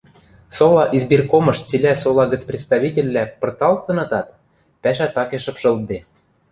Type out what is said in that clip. сола избиркомыш цилӓ сола гӹц представительвлӓ пырталтынытат, пӓшӓ такеш шыпшылтде.